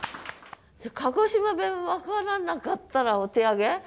鹿児島弁分からなかったらお手上げ？